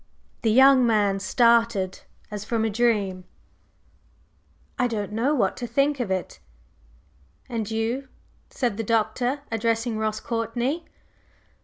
The young man started as from a dream. "I don't know what to think of it." "And you?" said the Doctor, addressing Ross Courtney.